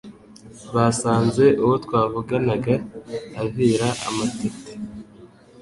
Basanze uwo twavuganaga avira amatete